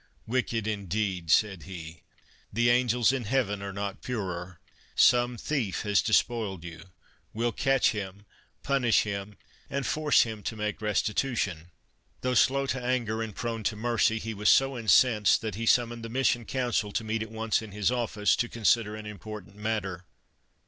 '' Wicked, indeed," said he; "the angels in heaven are not purer. Some thief has despoiled you. We'll catch him, punish him and force him to make restitution." Though slow to anger and prone to mercy, he was so incensed that he summoned the Mission Council to meet at once in his office to consider an important matter.